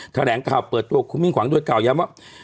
แถลงข่าวเปิดตัวคุณมิ่งขวางโดยกล่าวย้ำว่า